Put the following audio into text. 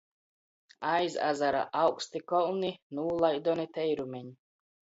Aiz azara augsti kolni, nūlaidoni teirumeņ